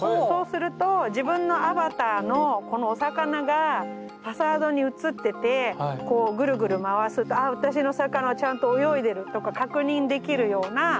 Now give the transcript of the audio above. そうすると自分のアバターのこのお魚がファサードに映っててこうグルグル回すと「ああ私の魚はちゃんと泳いでる」とか確認できるような。